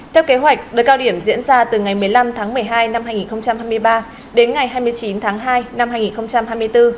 theo kế hoạch đợt cao điểm diễn ra từ ngày một mươi năm tháng một mươi hai năm hai nghìn hai mươi ba đến ngày hai mươi chín tháng hai năm hai nghìn hai mươi bốn